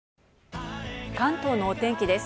関東のお天気です。